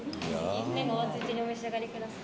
麺がお熱いうちにお召し上がりください